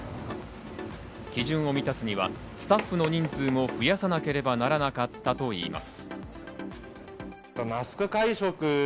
基準を満たすにはスタッフの人数も増やさなければならなかったといいます。